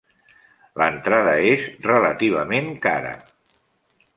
L'entrada és relativament cara.